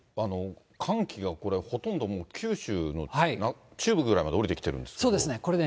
寒気がこれ、ほとんどもう、九州の中部ぐらいまで下りてきてるんですけれども。